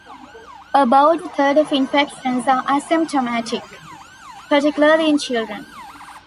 About a third of infections are asymptomatic, particularly in children.